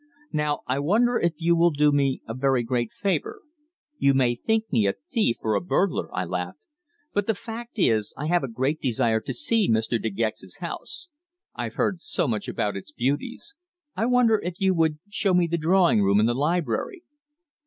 "Now, I wonder if you will do me a very great favour. You may think me a thief or a burglar," I laughed, "but the fact is I have a great desire to see Mr. De Gex's house. I've heard so much about its beauties. I wonder if you would show me the drawing room and the library?"